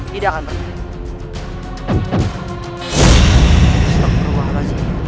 tidak akan berkata